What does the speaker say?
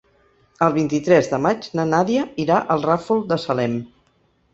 El vint-i-tres de maig na Nàdia irà al Ràfol de Salem.